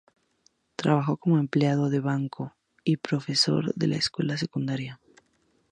Trabajó como empleado de banco y profesor de escuela secundaria.